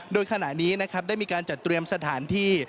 โดยขณะนี้นะครับได้มีการจัดเตรียมสถานที่